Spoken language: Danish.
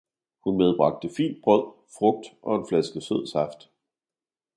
Hun medbragte fint brød, frugt og en flaske sød saft.